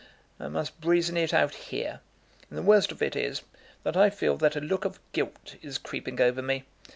I must brazen it out here; and the worst of it is, that I feel that a look of guilt is creeping over me.